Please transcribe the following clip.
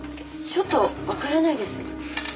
ちょっとわからないです。